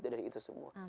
dari itu semua